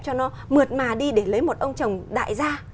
cho nó mượt mà đi để lấy một ông chồng đại gia